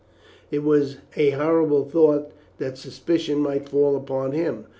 It was a horrible thought that suspicion might fall upon him.